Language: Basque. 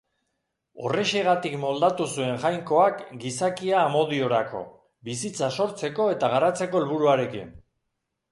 Horrexegatik moldatu zuen Jainkoak gizakia amodiorako, bizitza sortzeko eta garatzeko helburuarekin.